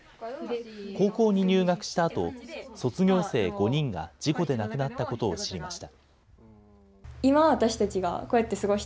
高校に入学したあと、卒業生５人が事故で亡くなったことを知りました。